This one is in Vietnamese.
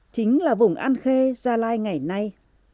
chính là vùng an khê gia lai ngày nay